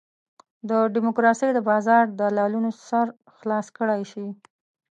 د ډیموکراسۍ د بازار دلالانو سر خلاص کړای شي.